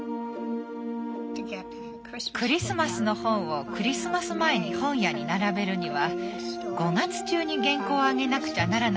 クリスマスの本をクリスマス前に本屋に並べるには５月中に原稿をあげなくちゃならなかったの。